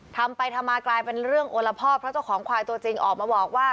ทำไปทำมากลายเป็นเรื่องโอละพ่อเพราะเจ้าของควายตัวจริงออกมาบอกว่า